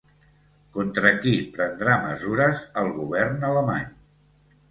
Contra qui prendrà mesures el govern alemany?